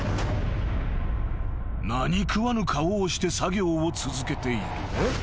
［何食わぬ顔をして作業を続けている］